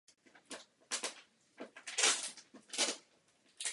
Jednoduchá lambda sonda je nejstarším vyráběným typem.